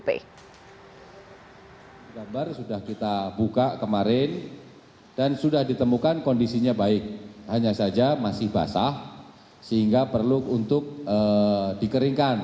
gambar sudah kita buka kemarin dan sudah ditemukan kondisinya baik hanya saja masih basah sehingga perlu untuk dikeringkan